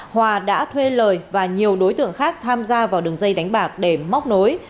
hòa đã thuê lời và nhiều đối tượng khác tham gia vào đường dây đánh bạc để móc nối